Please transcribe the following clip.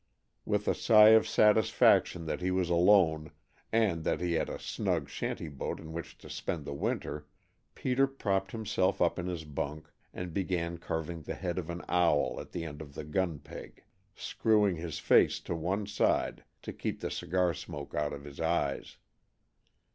With a sigh of satisfaction that he was alone, and that he had a snug shanty boat in which to spend the winter, Peter propped himself up in his bunk and began carving the head of an owl on the end of the gun peg, screwing his face to one side to keep the cigar smoke out of his eyes.